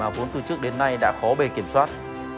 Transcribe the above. vốn từ trước đến nay đã khó bề kiểm soát